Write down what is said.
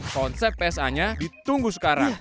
konsep psa nya ditunggu sekarang